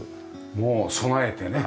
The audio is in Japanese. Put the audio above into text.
もう備えてね。